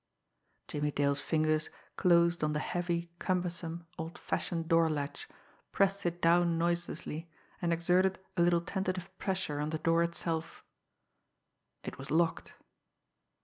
Jimmie Dale's fingers closed on the heavy, cumbersome, old fashioned door latch, pressed it down noiselessly, and exerted a little tentative pressure on the door itself. It was locked.